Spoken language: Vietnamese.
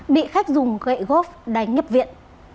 bị khách dùng gậy gốc đánh nhập viện